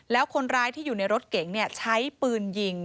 แล้วคนร้ายที่อยู่ในรถเก๋งใช้ปืนยิง